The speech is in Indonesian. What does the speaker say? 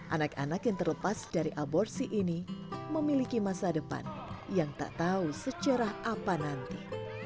anak anak yang terlepas dari aborsi ini memiliki masa depan yang tak tahu sejarah apa nanti